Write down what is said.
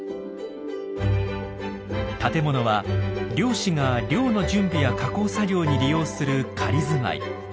建物は漁師が漁の準備や加工作業に利用する仮住まい。